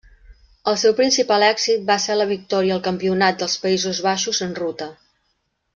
El seu principal èxit va ser la victòria al Campionat dels Països Baixos en ruta.